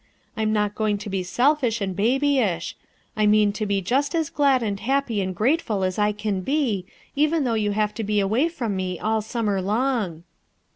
And I'm not going to be selfish and babyish; I mean to be just as glad and happy and grateful as I can be, even though you have to be away from me all summer long."